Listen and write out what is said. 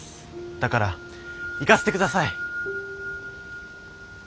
だから行かせて下さい。